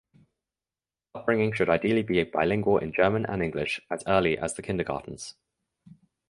Upbringing should ideally be bilingual in German and English as early as the kindergartens.